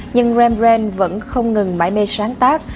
nhưng rembrandt vẫn không ngừng mãi mê sáng tác